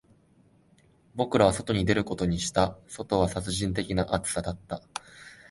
僕らは外に出ることにした、外は殺人的な暑さだった